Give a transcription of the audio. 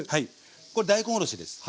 これ大根おろしです。